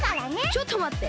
ちょっとまって！